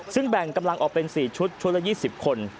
ซึ่งแบ่งกำลังออกเป็น๔ชุดชุดละ๒๐คน